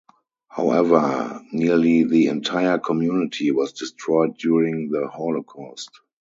However nearly the entire community was destroyed during the Holocaust.